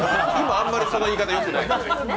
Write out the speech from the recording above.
あんまりその言い方よくない。